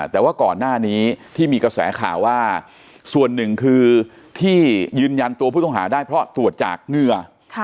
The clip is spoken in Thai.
แต่ว่าก่อนหน้านี้ที่มีกระแสข่าวว่าส่วนหนึ่งคือที่ยืนยันตัวผู้ต้องหาได้เพราะตรวจจากเหงื่อ